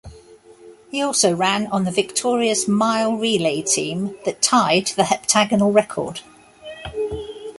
He also ran on the victorious mile relay team that tied the heptagonal record.